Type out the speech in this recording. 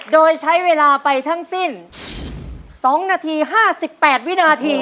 โดยใช้เวลาไปทั้งสิ้น๒ณ๔๘วินาทีครับ